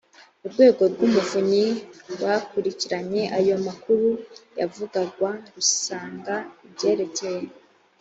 urwego rw umuvunyi rwakurikiranye ayo makuru yavugwaga rusanga ibyerekeye